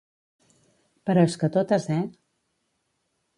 Però és que totes, eh?